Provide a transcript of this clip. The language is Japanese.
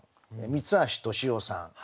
三橋敏雄さん。